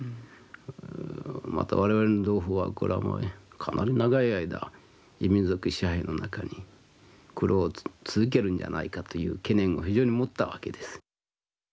また我々の同胞はこれはもうかなり長い間異民族支配の中に苦労を続けるんじゃないかという懸念を非常に持ったわけです。